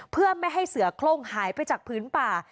เพื่อไม่ให้เสือโครงหายไปจากพื้นป่า